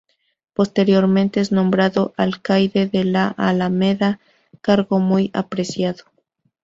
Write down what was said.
Posteriormente es nombrado Alcaide de la Alameda, cargo muy apreciado.